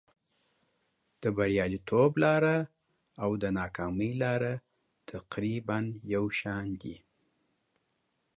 د بریالیتوب لاره او د ناکامۍ لاره تقریبا یو شان دي.